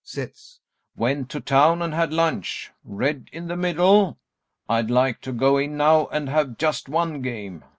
[Sits] Went to town and had lunch... red in the middle! I'd like to go in now and have just one game.